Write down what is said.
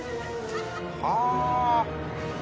はあ！